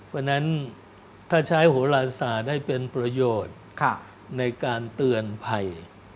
เพราะนั้นถ้าใช้ฮุลสารได้เป็นประโยชน์ในการเตือนภัย